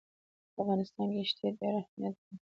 په افغانستان کې ښتې ډېر اهمیت لري.